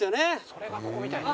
それがここみたいです。